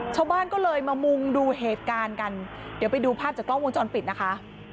ชาวบ้านก็เลยมามุงดูเหตุการณ์กันเดี๋ยวไปดูภาพจากกล้องวงจรปิดนะคะ